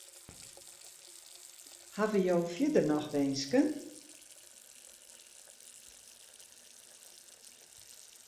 Hawwe jo fierder noch winsken?